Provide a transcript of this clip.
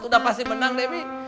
udah pasti menang debbie